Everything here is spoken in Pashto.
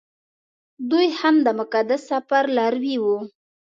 دوی هم د مقدس سفر لاروي وو.